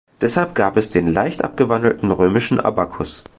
Deshalb gab es den leicht abgewandelten Römischen Abakus.